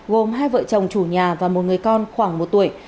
gồm hai vợ chồng chủ nhà và một người con khoảng một tuổi